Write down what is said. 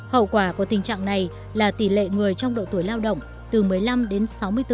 hậu quả của tình trạng này là tỷ lệ người trong độ tuổi lao động từ một mươi năm đến sáu mươi bốn